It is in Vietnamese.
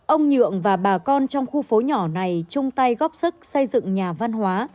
ông nhượng và bà con trong khu phố nhỏ này chung tay góp sức xây dựng nhà văn hóa